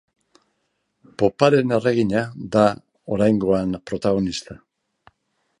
Poparen erregina da oraingoan protagonista.